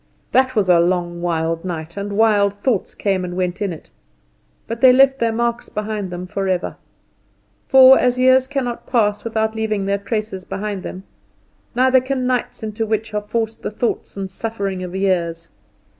That was a long wild night, and wild thoughts came and went in it; but they left their marks behind them forever: for, as years cannot pass without leaving their traces behind them, neither can nights into which are forced the thoughts and sufferings of years.